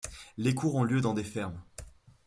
Les cours ont lieu dans des fermes.